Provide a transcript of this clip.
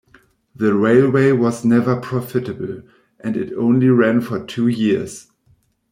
The railway was never profitable and it only ran for two years.